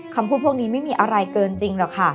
คำพูดพวกนี้ไม่มีอะไรเกินจริงหรอกค่ะ